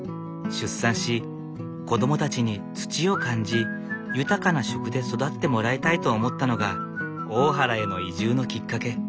出産し子供たちに土を感じ豊かな食で育ってもらいたいと思ったのが大原への移住のきっかけ。